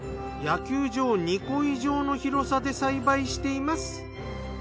野球場２個以上の広さで栽培しています。